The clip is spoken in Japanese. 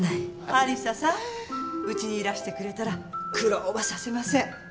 有沙さんうちにいらしてくれたら苦労はさせません。